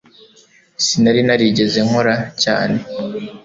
Sinari narigeze nkora cyane